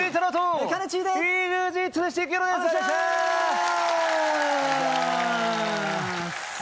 お願いしまーす